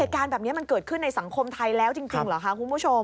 การแบบนี้มันเกิดขึ้นในสังคมไทยแล้วจริงเหรอคะคุณผู้ชม